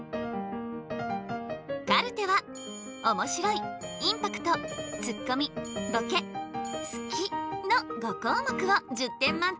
カルテはおもしろいインパクトツッコミボケ好きの５項目を１０点満点で評価。